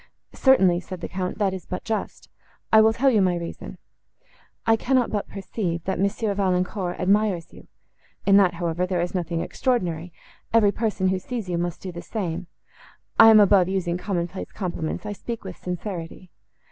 —"Certainly," said the Count, "that is but just. I will tell you my reason. I cannot but perceive, that Monsieur Valancourt admires you; in that, however, there is nothing extraordinary; every person, who sees you, must do the same. I am above using common place compliments; I speak with sincerity.